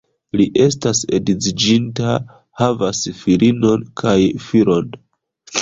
Li estas edziĝinta, havas filinon kaj filon.